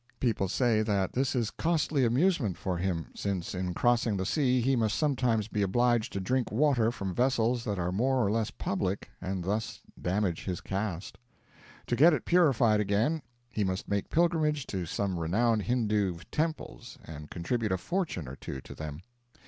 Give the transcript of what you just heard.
People say that this is costly amusement for him, since in crossing the sea he must sometimes be obliged to drink water from vessels that are more or less public, and thus damage his caste. To get it purified again he must make pilgrimage to some renowned Hindoo temples and contribute a fortune or two to them.